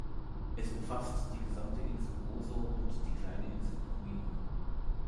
Es umfasst die gesamte Insel Gozo und die kleine Insel Comino.